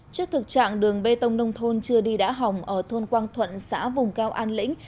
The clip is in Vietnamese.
trước thực trạng đường bê tông nông thôn chưa đi đã hỏng ở thôn quang thuận xã vùng cao an lĩnh